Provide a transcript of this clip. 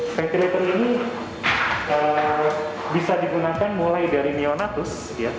ventilator ini bisa digunakan mulai dari mionatus